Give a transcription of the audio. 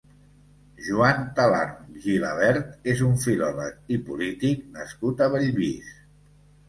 Joan Talarn Gilabert és un filòleg i polític nascut a Bellvís.